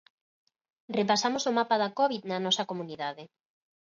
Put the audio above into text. Repasamos o mapa da Covid na nosa comunidade.